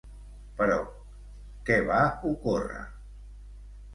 Però, què va ocórrer?